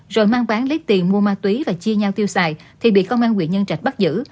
rồi mang bán lấy tiền mua ma túy và chia nhau tiêu xài thì bị công an quyện nhân trạch bắt giữ